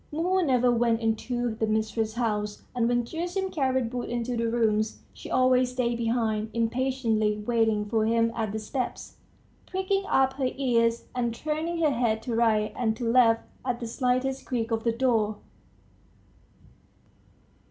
Mumu never went into the mistress's house; and when Gerasim carried wood into the rooms, she always stayed behind, impatiently waiting for him at the steps, pricking up her ears and turning her head to right and to left at the slightest creak of the door